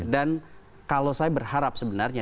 dan kalau saya berharap sebenarnya